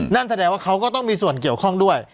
นั่นแสดงว่าเขาก็ต้องมีส่วนเกี่ยวข้องด้วย